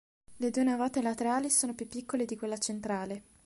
Le due navate laterali sono più piccole di quella centrale.